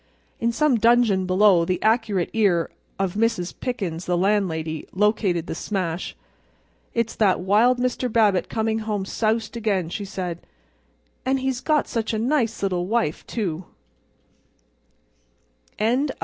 In some dungeon below the accurate ear of Mrs. Pickens, the landlady, located the smash. "It's that wild Mr. Babbitt coming home soused again," she said. "And he's got such a nice little wife, too!"